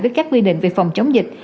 với các quy định về phòng chống dịch